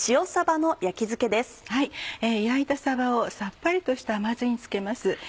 焼いたさばをさっぱりとした甘酢に漬けます。